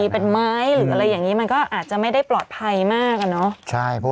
เป็นไม้หรืออะไรอย่างนี้มันก็อาจจะไม่ได้ปลอดภัยมากอะเนาะ